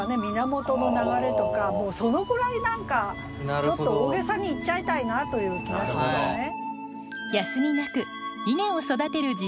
源の流れとかもうそのぐらい何かちょっと大げさに言っちゃいたいなという気がしますね。